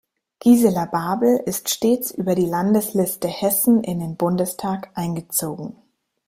Gisela Babel ist stets über die Landesliste Hessen in den Bundestag eingezogen.